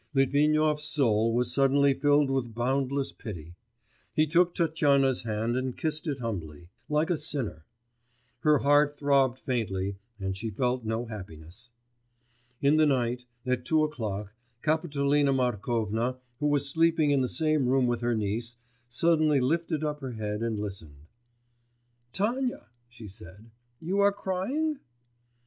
Litvinov's soul was suddenly filled with boundless pity. He took Tatyana's hand and kissed it humbly, like a sinner; her heart throbbed faintly and she felt no happiness. In the night, at two o'clock, Kapitolina Markovna, who was sleeping in the same room with her niece, suddenly lifted up her head and listened. 'Tanya,' she said, 'you are crying?